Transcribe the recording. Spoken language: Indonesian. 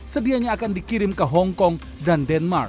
sedianya akan dikirim ke hong kong dan denmark